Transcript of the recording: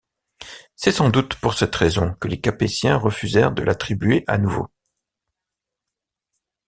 C'est sans doute pour cette raison que les Capétiens refusèrent de l'attribuer à nouveau.